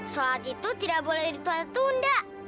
sholat itu tidak boleh ditular tunda